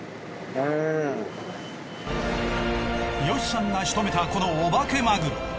ヨシさんがしとめたこのおばけマグロ。